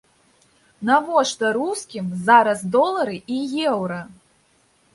Навошта рускім зараз долары і еўра?